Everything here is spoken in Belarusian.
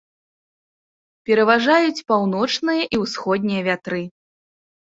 Пераважаюць паўночныя і ўсходнія вятры.